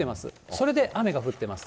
それで雨が降ってます。